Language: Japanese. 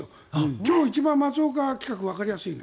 今日一番、松岡企画わかりやすいな。